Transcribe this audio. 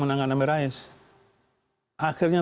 amir rais akhirnya